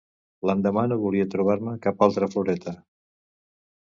L'endemà no volia trobar-me cap altra floreta.